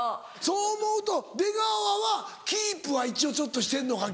そう思うと出川はキープは一応ちょっとしてるのか。